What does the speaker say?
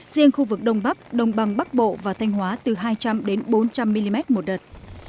riêng khu vực đông bắc đông bằng bắc bộ và thanh hóa từ hai trăm linh bốn trăm linh mm một đợt